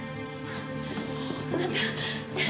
あなたねえ